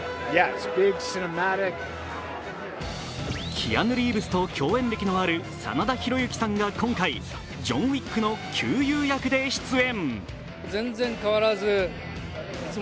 キアヌ・リーブスと共演歴のある真田広之さんが今回、ジョン・ウィックの旧友役で出演。